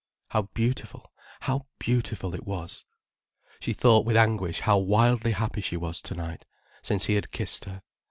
How beautiful, how beautiful it was! She thought with anguish how wildly happy she was to night, since he had kissed her.